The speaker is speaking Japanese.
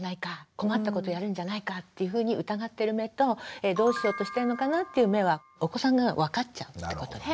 困ったことやるんじゃないか？っていうふうに疑ってる目とどうしようとしてんのかな？っていう目はお子さんが分かっちゃうってことです。